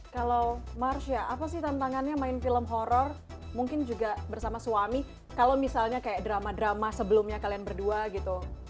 kalau marsha apa sih tantangannya main film horror mungkin juga bersama suami kalau misalnya kayak drama drama sebelumnya kalian berdua gitu